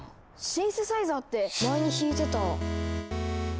シンセサイザーって前に弾いてた。